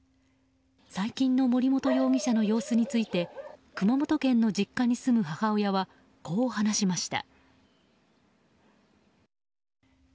最近の森本容疑者の様子について熊本県の実家に住む母親はこう話しました。